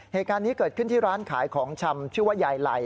เหตุการณ์นี้เกิดขึ้นที่ร้านขายของชำชื่อว่ายายไหล่